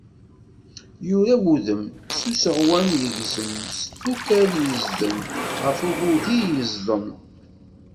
Yurad wudem, s useɣwen yegzem, s tfukal yezdem, ɣef ugudi yezḍem.